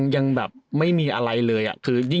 ยังแบบไม่มีอะไรเลย